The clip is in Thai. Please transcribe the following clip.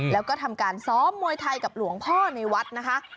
แล้วก็ทำการซ้อมมวยไทยกับหลวงพ่อในวัดนะคะ